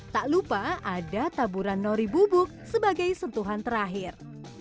tak lupa ada taburan nori bubuk sebagai sentuhan terakhir